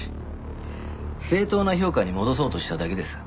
正当な評価に戻そうとしただけです。